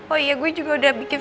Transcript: oh iya gue juga udah bikin